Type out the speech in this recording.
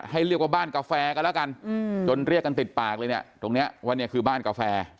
เรียกว่าบ้านกาแฟกันแล้วกันจนเรียกกันติดปากเลยเนี่ยตรงนี้ว่าเนี่ยคือบ้านกาแฟ